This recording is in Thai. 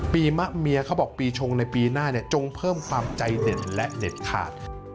มะเมียเขาบอกปีชงในปีหน้าจงเพิ่มความใจเด่นและเด็ดขาด